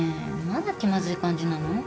まだ気まずい感じなの？